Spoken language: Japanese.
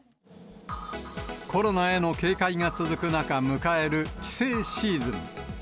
コロナへの警戒が続く中、迎える帰省シーズン。